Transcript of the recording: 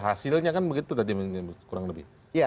hasilnya kan begitu tadi menyebut kurang lebih